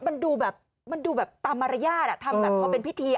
มันดูแบบมันดูแบบตามมารยาททำแบบพอเป็นพิธี